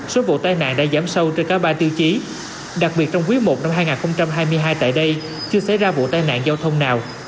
số vụ tai nạn đã giảm sâu trên cả ba tiêu chí đặc biệt trong quý i năm hai nghìn hai mươi hai tại đây chưa xảy ra vụ tai nạn giao thông nào